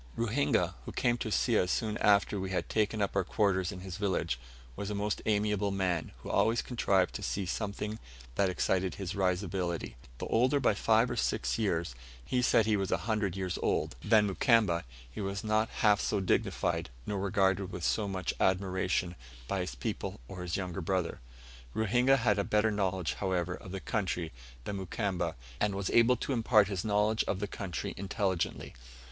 Ruhinga, who came to see us soon after we had taken up our quarters in his village, was a most amiable man, who always contrived to see something that excited his risibility; though older by five or six years perhaps he said he was a hundred years old than Mukamba, he was not half so dignified, nor regarded with so much admiration by his people as his younger brother. Ruhinga had a better knowledge, however, of the country than Mukamba, and an admirable memory, and was able to impart his knowledge of the country intelligently.